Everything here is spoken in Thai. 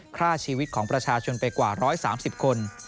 ฆ่าชีวิตของประชาชนไปกว่า๑๓๐คน